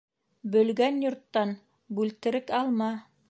Бөлгән йорттан бүлтерек алма.